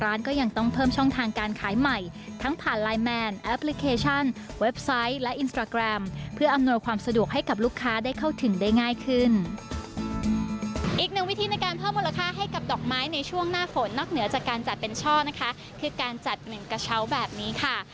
อีกหนึ่งวิธีในการเพิ่มมูลค่าให้กับดอกไม้ในช่วงหน้าฝนนอกเหนือจากการจัดเป็นช่อนะคะคือการจัดหนึ่งกระเช้าแบบนี้ค่ะ